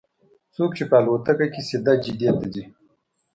څوک چې په الوتکه کې سیده جدې ته ځي.